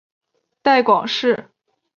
带广市